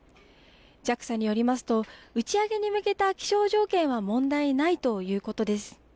ＪＡＸＡによりますと、打ち上げに向けた気象条件は問題ないということです。